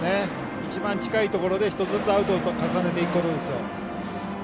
一番近いところでアウトを重ねていくことです。